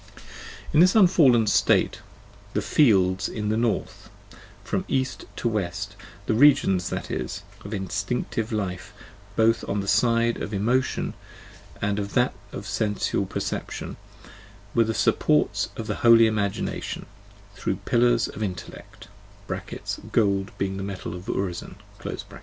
xiv In this unfallen state the " fields " in the north, from east to west, the regions, that is, of instinctive life both on the side of emotion and on that of sensual perception, were the supports of the holy Imagination, through the pillars of intellect (gold being the metal of Urizen).